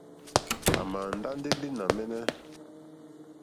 À màà ndá ndí línì mɛ́ɛ́nɛ́.